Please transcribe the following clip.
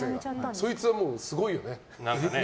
そいつはもう、すごいよね。